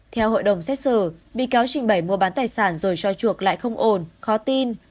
theo hội đồng xét xử bị cáo trình bày mua bán tài sản rồi cho chuộc lại không ổn khó tin